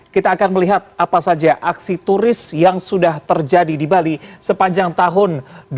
kita akan melihat apa saja aksi turis yang sudah terjadi di bali sepanjang tahun dua ribu dua puluh